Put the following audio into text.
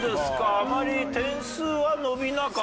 あまり点数は伸びなかったですね。